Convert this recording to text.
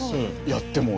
やっても。